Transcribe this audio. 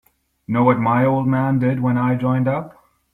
Know what my old man did when I joined up?